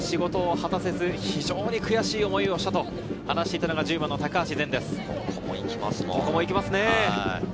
ただ仕事を果たせず非常に悔しい思いをしたと話していたのが１０番の高足善です。